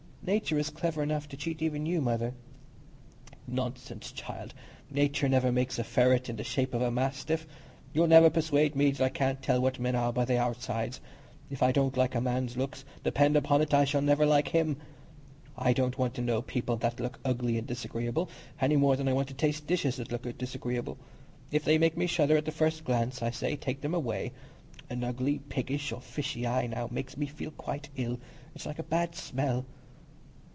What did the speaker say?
Nature is clever enough to cheat even you, Mother." "Nonsense, child! Nature never makes a ferret in the shape of a mastiff. You'll never persuade me that I can't tell what men are by their outsides. If I don't like a man's looks, depend upon it I shall never like him. I don't want to know people that look ugly and disagreeable, any more than I want to taste dishes that look disagreeable. If they make me shudder at the first glance, I say, take them away. An ugly, piggish, or fishy eye, now, makes me feel quite ill; it's like a bad smell."